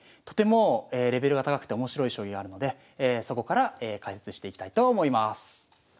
とてもレベルが高くて面白い将棋があるのでそこから解説していきたいと思います。